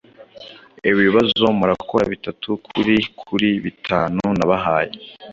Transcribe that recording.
ibibazo murakora bitatu kuri kuri bitanu nabahaye